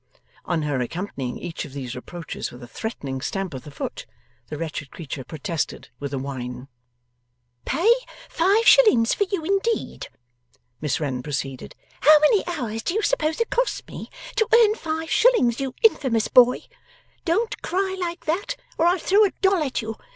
On her accompanying each of these reproaches with a threatening stamp of the foot, the wretched creature protested with a whine. 'Pay five shillings for you indeed!' Miss Wren proceeded; 'how many hours do you suppose it costs me to earn five shillings, you infamous boy? Don't cry like that, or I'll throw a doll at you.